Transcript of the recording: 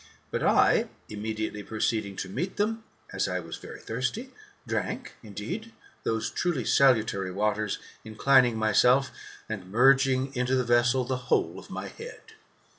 But I, immediate ly proceeding to meet them, as I was very thirsty, drank, indeed, those truly salutary waters, inclining myself, and merging into the vessel the whole of my head.